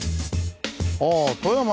ああ